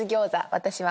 私は。